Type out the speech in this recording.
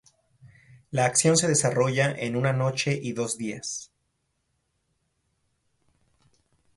La acción se desarrolla en una noche y dos días.